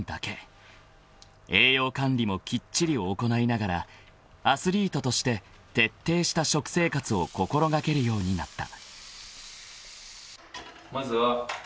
［栄養管理もきっちり行いながらアスリートとして徹底した食生活を心掛けるようになった］